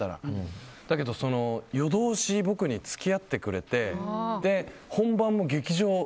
だけど、夜通し僕に付き合ってくれて本番も劇場に。